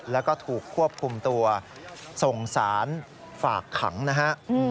แล้วก็ถูกควบคุมตัวส่งสารฝากขังนะฮะ